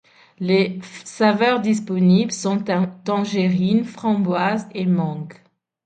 Les saveurs disponibles sont tangerine, framboise, et mangue.